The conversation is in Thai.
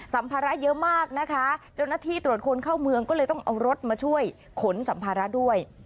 สัมภาระเยอะมากนะคะเจ้าหน้าที่ตรวจคนเข้าเมืองก็เลยต้องเอารถมาช่วยขนสัมภาระด้วย